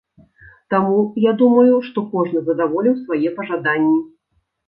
Таму, я думаю, што кожны задаволіў свае пажаданні.